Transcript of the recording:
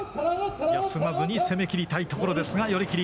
休まずに攻め切りたいところですが寄り切り。